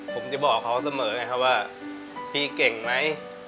ผมจะบอกเขาเสมอไงครับว่าพี่เก่งไหม